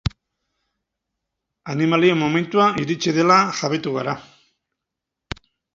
Animalien momentua iritsi dela jabetu gara.